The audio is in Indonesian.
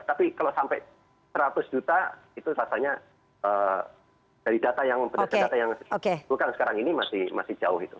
tapi kalau sampai seratus juta itu rasanya dari data yang berdasarkan data yang bukan sekarang ini masih jauh itu